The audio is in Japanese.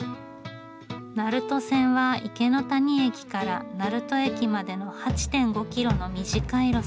鳴門線は池谷駅から鳴門駅までの８．５キロの短い路線。